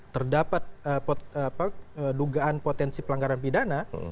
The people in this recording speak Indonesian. terdapat dugaan potensi pelanggaran pidana